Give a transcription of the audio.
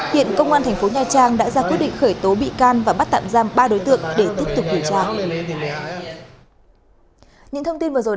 hiện công an thành phố nha trang đã ra quyết định khởi tố bị can và bắt tạm giam ba đối tượng để tiếp tục điều tra